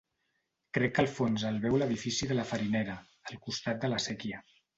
Crec que al fons el veu l'edifici de la farinera, al costat de la séquia.